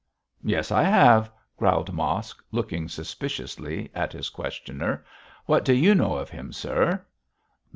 'Yes, I have,' growled Mosk, looking suspiciously at his questioner. 'What do you know of him, sir?'